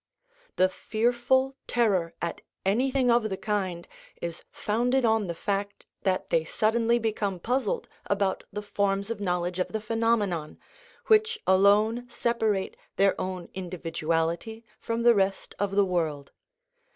The fearful terror at anything of the kind is founded on the fact that they suddenly become puzzled about the forms of knowledge of the phenomenon, which alone separate their own individuality from the rest of the world.